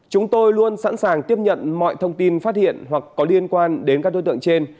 chúng tôi luôn sẵn sàng tiếp nhận mọi thông tin phát hiện hoặc có liên quan đến các đối tượng trên